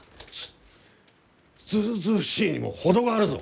ずずうずうしいにも程があるぞ！